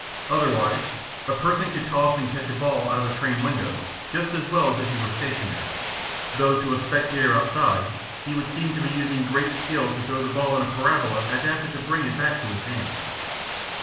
Otherwise a person could toss and catch a ball out of a train window just as well as if he were stationary; though to a spectator outside he would seem to be using great skill to throw the ball in the parabola adapted to bring it back to his hand.